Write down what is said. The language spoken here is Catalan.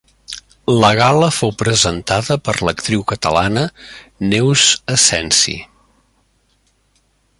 La gala fou presentada per l'actriu catalana Neus Asensi.